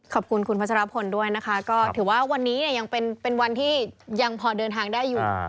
ขอบคุณคุณพัชรพลด้วยนะคะก็ถือว่าวันนี้เนี่ยยังเป็นวันที่ยังพอเดินทางได้อยู่